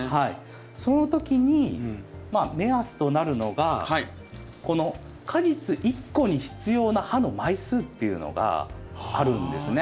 そのときに目安となるのがこの果実１個に必要な葉の枚数っていうのがあるんですね。